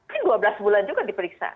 kan dua belas bulan juga diperiksa